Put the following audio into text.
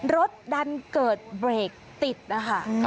รถดันเกิดเบรกติดนะคะ